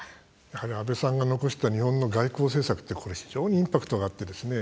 やはり、安倍さんが残した日本の外交政策って非常にインパクトがあってですね。